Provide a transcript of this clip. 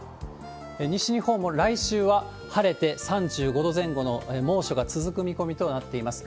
西日本も来週は晴れて、３５度前後の猛暑が続く見込みとなっています。